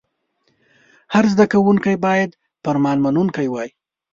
هر زده کوونکی باید فرمان منونکی وای.